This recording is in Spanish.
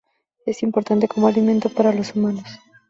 Es importante como alimento para los humanos.